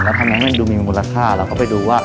แล้วทำยังไงให้มันมีปราคาเราก็ไปดูว่า